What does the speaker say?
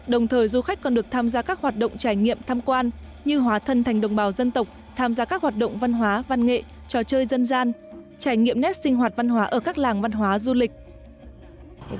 đồng thời du khách còn được tham gia các hoạt động trải nghiệm tham quan như hóa thân thành đồng bào dân tộc tham gia các hoạt động văn hóa văn nghệ trò chơi dân gian trải nghiệm nét sinh hoạt văn hóa ở các làng văn hóa du lịch